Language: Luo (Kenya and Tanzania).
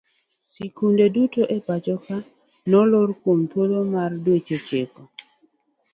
Skunde duto e pacho ka nolor kuom thuolo maromo dweche ochiko.